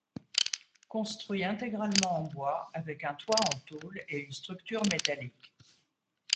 Construit intégralement en bois, avec un toit en tôle et une structure métallique.